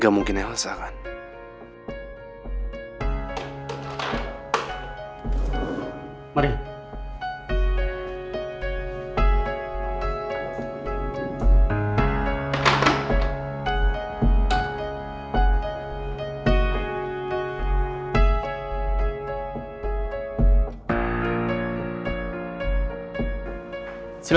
bukannya tak ada siapa